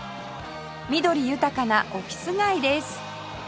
緑豊かなオフィス街です